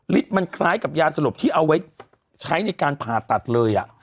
มันคล้ายกับยาสลบที่เอาไว้ใช้ในการผ่าตัดเลย